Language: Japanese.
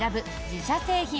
自社製品